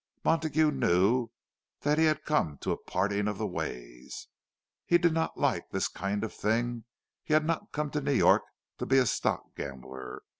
Montague knew that he had come to a parting of the ways. He did not like this kind of thing—he had not come to New York to be a stock gambler.